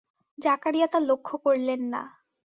জাকারিয়া তা লক্ষ করলেন না।